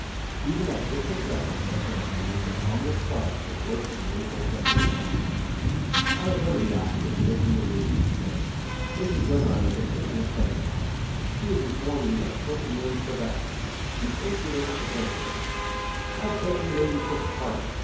Even that distant reference to Anne produced an ominous change for the worse in Lady Holchester's manner. "I have heard of the obstacle to which you allude," she said. "Mrs. Glenarm is an intimate friend of mine. She has informed me that a person named Silvester, an impudent adventuress " "I beg your ladyship's pardon.